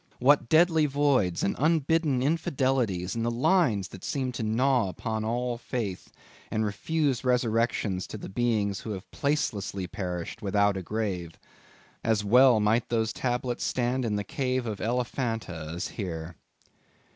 What deadly voids and unbidden infidelities in the lines that seem to gnaw upon all Faith, and refuse resurrections to the beings who have placelessly perished without a grave. As well might those tablets stand in the cave of Elephanta as here.